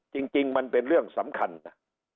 จริงมันเป็นเรื่องสำคัญนะ